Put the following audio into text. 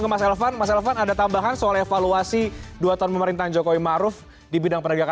mas elvan ada tambahan soal evaluasi dua tahun pemerintahan jokowi maruf di bidang penegakan hukum